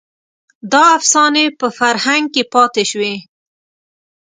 دا افسانې په فرهنګ کې پاتې شوې.